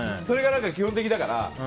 それが基本的だから。